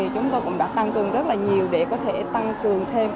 chúng tôi cũng đã tăng cường rất là nhiều để có thể tăng cường thêm